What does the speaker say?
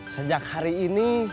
sejak hari ini